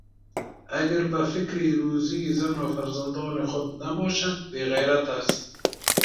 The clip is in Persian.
اگر به فکر روزی زن و فرزندان خود نباشد بیغیرت است.